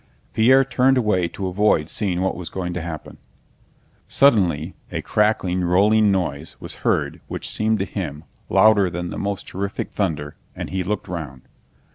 Pierre turned away to avoid seeing what was going to happen. Suddenly a crackling, rolling noise was heard which seemed to him louder than the most terrific thunder, and he looked round.